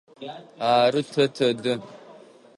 Ары, тэ тэдэ.